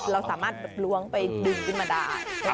เราสามารถล้วงไปดึงขึ้นมาได้